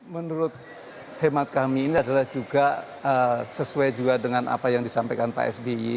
menurut hemat kami ini adalah juga sesuai juga dengan apa yang disampaikan pak sby